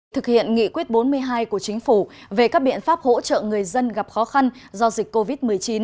thực hiện nghị quyết bốn mươi hai của chính phủ về các biện pháp hỗ trợ người dân gặp khó khăn do dịch covid một mươi chín